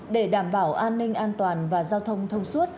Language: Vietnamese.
để đảm bảo an ninh an toàn và giao thông thông suốt